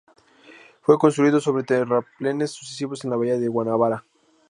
Fue construido sobre terraplenes sucesivos en la bahía de Guanabara.